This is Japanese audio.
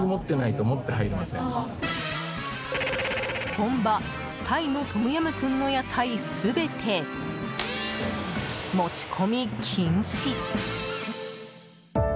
本場タイのトムヤムクンの野菜全て持ち込み禁止。